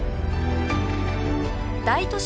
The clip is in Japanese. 大都市